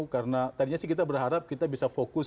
karena tadinya sih kita berharap kita bisa fokus